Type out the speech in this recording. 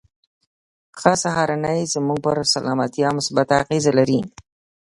ښه سهارنۍ زموږ پر سلامتيا مثبته اغېزه لري.